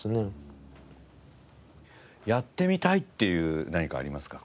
やってみたいっていう何かありますか？